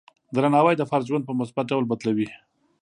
درناوی د فرد ژوند په مثبت ډول بدلوي.